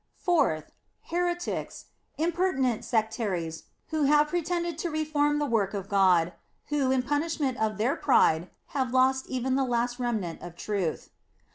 Fourth, Heretics : impertinent sectaries, who have pretended to reform the work of God, who, in punishment of their pride, have lost even the last remnant of truth.